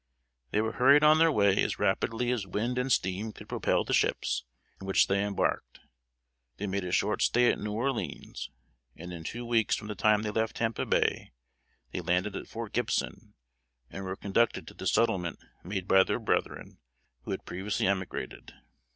They were hurried on their way as rapidly as wind and steam could propel the ships in which they embarked. They made a short stay at New Orleans; and in two weeks from the time they left Tampa Bay, they landed at Fort Gibson, and were conducted to the settlement made by their brethren who had previously emigrated.